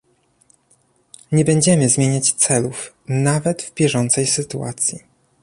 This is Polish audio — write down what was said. Nie będziemy zmieniać celów, nawet w bieżącej sytuacji